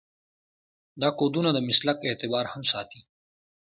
دا کودونه د مسلک اعتبار هم ساتي.